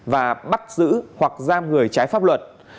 và bắt giữ hoặc giam người trái pháp luật